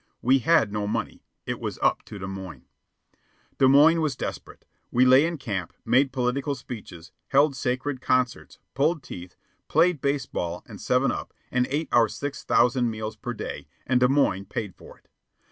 We had no money. It was up to Des Moines. Des Moines was desperate. We lay in camp, made political speeches, held sacred concerts, pulled teeth, played baseball and seven up, and ate our six thousand meals per day, and Des Moines paid for it.